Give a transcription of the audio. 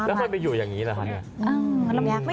น้ำจะมาอยู่อย่างนี้แหละคะ